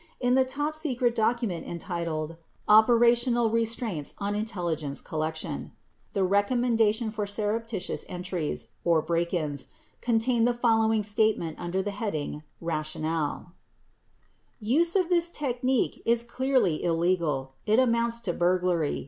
In the top secret document entitled "Operational Restraints on Intelligence Collection," the recommendation for surreptitious entries (break ins) contained the following statement under the heading "Rationale": Use of this technique is clearly illegal. It amounts to burglary.